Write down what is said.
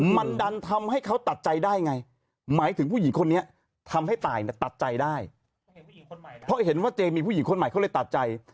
มันดันทำให้เขาตัดใจได้ไงหมายถึงผู้หญิงคนนี้ทำให้ตายเนี่ยตัดใจได้เพราะเห็นว่าเจมีผู้หญิงคนใหม่เขาเลยตัดใจ